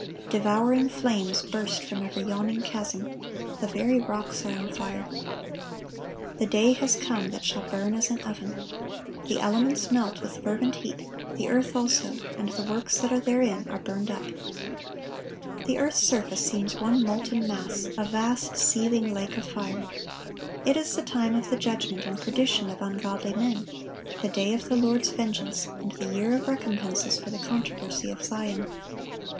Devouring flames burst from every yawning chasm. The very rocks are on fire. The day has come that shall burn as an oven. The elements melt with fervent heat, the earth also, and the works that are therein are burned up.(1167) The earth's surface seems one molten mass,—a vast, seething lake of fire. It is the time of the judgment and perdition of ungodly men,—"the day of the Lord's vengeance, and the year of recompenses for the controversy of Zion."